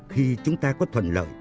khi chúng ta có thuận lợi